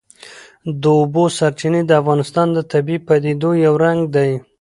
د اوبو سرچینې د افغانستان د طبیعي پدیدو یو رنګ دی.